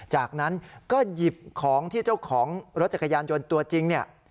จากนั้นก็หยิบของที่เจ้าของรถจักรยานยนต์ตัวจริงเนี่ย